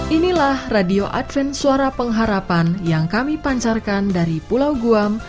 inilah radio advin suara pengharapan yang kami pancarkan dari pulau guam